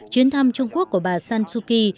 chuyến thăm trung quốc của bà san suu kyi